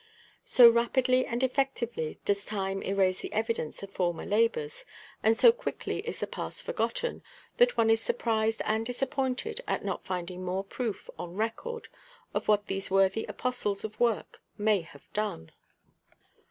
So rapidly and effectively does time erase the evidence of former labors, and so quickly is the past forgotten, that one is surprised and disappointed at not finding more proof on record of what these worthy apostles of work may have done.